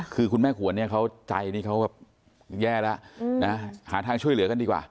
คือคุณแม่ขวนเนี่ยเขาใจนี่เขาแบบแย่แล้วนะหาทางช่วยเหลือกันดีกว่า